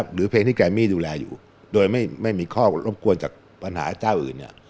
หรือเพลงที่แกมมี่ดูแลอยู่โดยไม่มีข้อรบกวนจากปัญหาเจ้าอื่นเนี่ย